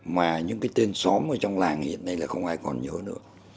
mà những cái tên xóm ở trong làng hiện nay là không ai còn nhớ nữa